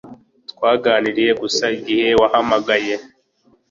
Twaganiraga gusa igihe wahamagaye